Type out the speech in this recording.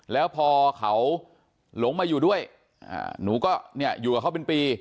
แล้วพอเขาหลงมาอยู่ด้วยหนูก็เนี่ยอยู่กับเขาเป็นปี